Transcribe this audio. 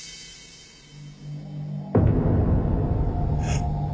えっ？